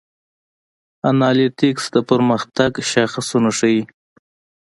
انالیتکس د پرمختګ شاخصونه ښيي.